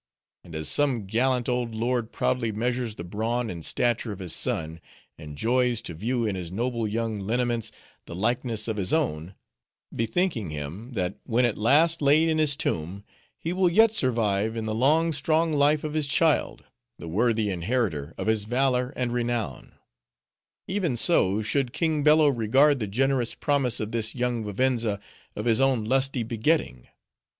And as some gallant old lord proudly measures the brawn and stature of his son; and joys to view in his noble young lineaments the likeness of his own; bethinking him, that when at last laid in his tomb, he will yet survive in the long, strong life of his child, the worthy inheritor of his valor and renown; even so, should King Bello regard the generous promise of this young Vivenza of his own lusty begetting.